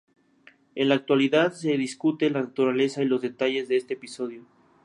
En la actualidad se discute la naturaleza y los detalles de este episodio.